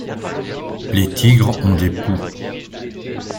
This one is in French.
Les tigres ont des poux.